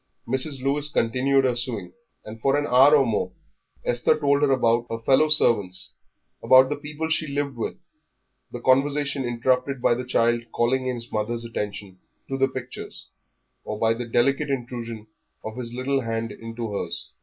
Mrs. Lewis continued her sewing, and for an hour or more Esther told about her fellow servants, about the people she lived with, the conversation interrupted by the child calling his mother's attention to the pictures, or by the delicate intrusion of his little hand into hers.